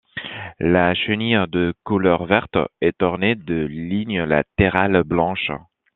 La chenille de couleur verte est ornée de lignes latérales blanches.